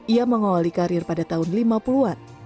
ia mengawali karir pada tahun lima puluh an